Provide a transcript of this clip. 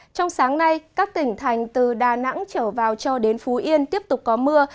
trong sáng nay các tỉnh thành từ đà nẵng trở vào cho đến phú yên tiếp tục có mưa